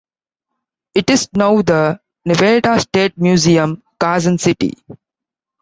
It is now the Nevada State Museum, Carson City.